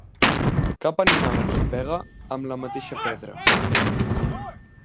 Cap animal ensopega amb la mateixa pedra.